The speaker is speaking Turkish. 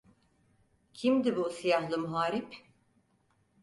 Kimdi bu siyahlı muharip?